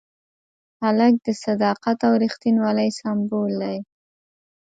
هلک د صداقت او ریښتینولۍ سمبول دی.